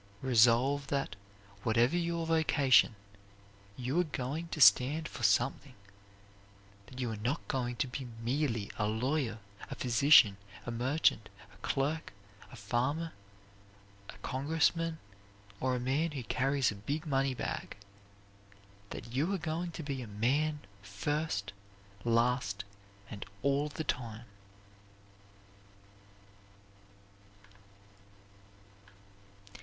Resolve that, whatever your vocation, you are going to stand for something; that you are not going to be merely a lawyer, a physician, a merchant, a clerk, a farmer, a congressman, or a man who carries a big money bag; but that you are going to be a man first, last, and all the time.